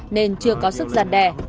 nên chưa có sức giàn đè